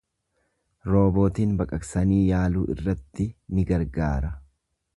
Roobootiin baqaqsanii yaaluu irratti ni gargaara.